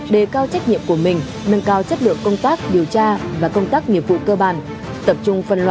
để cao trách nhiệm của mình nâng cao chất lượng công tác điều tra và công tác nghiệp vụ cơ bản